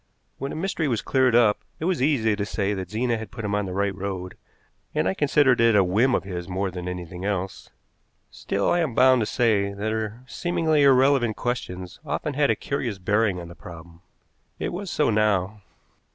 When a mystery was cleared up, it was easy to say that Zena had put him on the right road, and I considered it a whim of his more than anything else. Still I am bound to say that her seemingly irrelevant questions often had a curious bearing on the problem. It was so now.